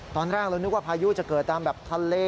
ตอนแรกเรานึกว่าพายุจะเกิดตามแบบทะเล